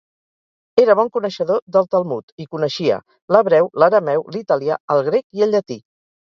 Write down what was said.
Era bon coneixedor del Talmud i coneixia l'hebreu, l'arameu, l'italià, el grec, i el llatí.